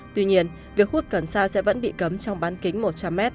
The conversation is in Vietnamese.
tuy nhiên việc hút cần xa sẽ vẫn bị cấm trong bán kính một trăm linh m